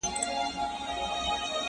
مخ يې ونيوى پر كور ما ته يې شا سوه٫